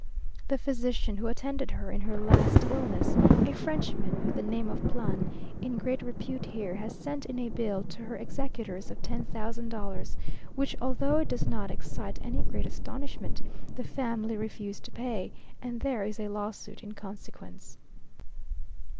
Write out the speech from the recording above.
The physician who attended her in her last illness, a Frenchman of the name of Plan, in great repute here, has sent in a bill to her executors of ten thousand dollars, which, although it does not excite any great astonishment, the family refuse to pay, and there is a lawsuit in consequence.